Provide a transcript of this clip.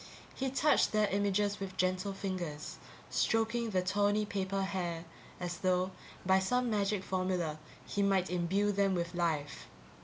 He touched their images with gentle fingers, stroking the tawny paper hair, as though, by some magic formula, he might imbue them with life.